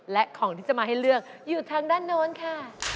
และของที่จะมาให้เลือกอยู่ทางด้านโน้นค่ะ